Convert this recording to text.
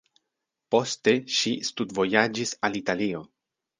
Poste ŝi studvojaĝis al Italio.